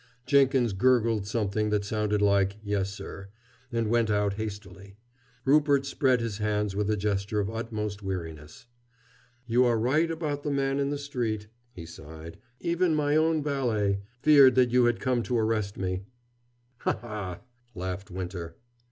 Jenkins gurgled something that sounded like "Yes, sir," and went out hastily. Rupert spread his hands with a gesture of utmost weariness. "You are right about the man in the street," he sighed. "Even my own valet feared that you had come to arrest me." "Ha, ha!" laughed Winter.